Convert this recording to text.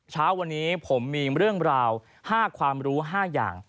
เช้าวันนี้ผมมีเรื่องราว๕ความรู้๕อย่าง